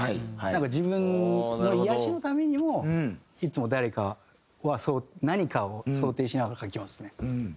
自分の癒やしのためにもいつも誰かは何かを想定しながら書きますね。